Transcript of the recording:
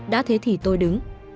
đã thế thì tôi đứng